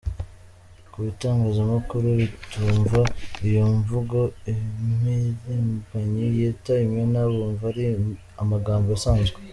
Ku bitangazamakuru bitumva iyo mvugo “impirimbanyi” yita “imena” bumva ari amagambo asanzwe.